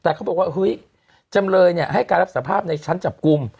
แต่เขาบอกว่าเฮ้ยจำเลยเนี่ยให้การรับสภาพในชั้นจับกลุ่ม